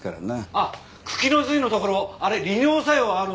あっ茎の髄のところあれ利尿作用あるんですよね。